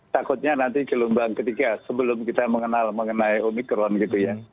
takutnya nanti gelombang ketiga sebelum kita mengenal mengenai omikron gitu ya